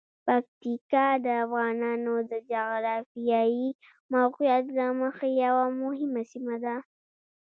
پکتیکا د افغانانو د جغرافیايی موقعیت له مخې یوه مهمه سیمه ده.